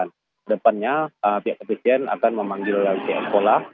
dan depannya pihak polisian akan memanggil lagi sekolah